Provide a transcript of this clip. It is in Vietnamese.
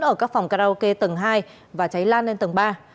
ở các phòng karaoke tầng hai và cháy lan lên tầng ba